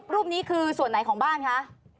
รูปนี้คือส่วนไหนของบ้านคะ